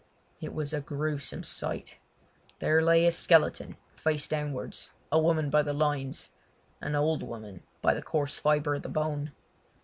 It was a gruesome sight. There lay a skeleton face downwards, a woman by the lines—an old woman by the coarse fibre of the bone.